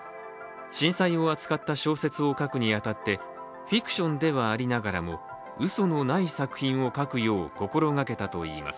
震災を扱った小説を書くに当たってフィクションではありながらも、うそのない作品を書くよう心掛けたといいます。